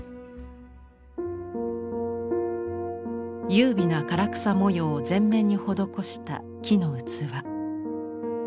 優美な唐草模様を全面に施した木の器。